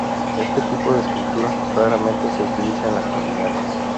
Este tipo de escritura raramente se utiliza en la actualidad.